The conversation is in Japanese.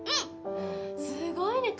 すごいね。